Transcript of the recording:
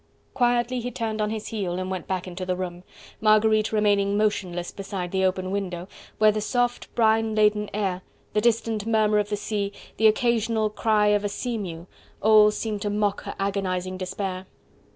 Quietly he turned on his heel and went back into the room, Marguerite remaining motionless beside the open window, where the soft, brine laden air, the distant murmur of the sea, the occasional cry of a sea mew, all seemed to mock her agonizing despair.